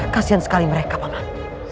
kasian sekali mereka paman